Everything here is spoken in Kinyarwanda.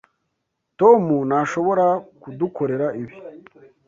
Tom ntashobora kudukorera ibi.